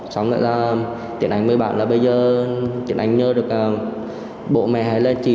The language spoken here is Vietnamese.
xong rồi là tiến ánh mới bảo là bây giờ tiến ánh nhớ được bộ mẹ hay là chị